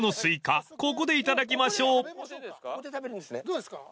どうですか？